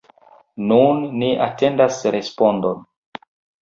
Nun ni atendas respondon.